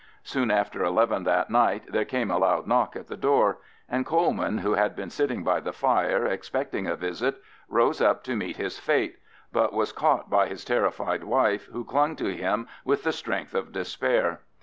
Soon after eleven that night there came a loud knock at the door, and Coleman, who had been sitting by the fire expecting a visit, rose up to meet his fate, but was caught by his terrified wife, who clung to him with the strength of despair.